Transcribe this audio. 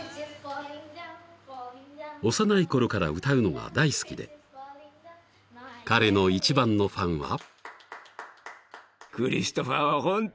［幼いころから歌うのが大好きで彼の一番のファンは］